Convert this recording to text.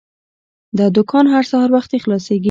دا دوکان هر سهار وختي خلاصیږي.